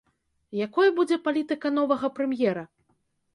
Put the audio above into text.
Якой будзе палітыка новага прэм'ера?